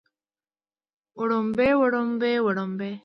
وړومبي وړومبۍ وړومبنۍ